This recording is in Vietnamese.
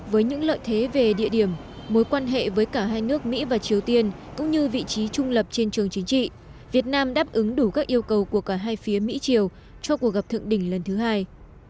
với những lợi thế về địa điểm mối quan hệ với cả hai nước mỹ và triều tiên cũng như vị trí trung lập trên trường chính trị việt nam đáp ứng đủ các yêu cầu của cả hai phía mỹ triều cho cuộc gặp thượng đỉnh lần thứ hai